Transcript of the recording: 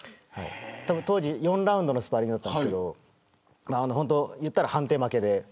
当時４ラウンドのスパーリングだったんですけど言ったら判定負けで。